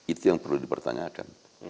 itu yang perlu dipertanyakan